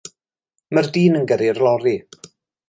Mae'r dyn yn gyrru'r lori.